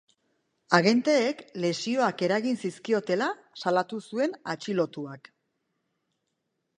Agenteek lesioak eragin zizkiotela salatu zuen atxilotuak.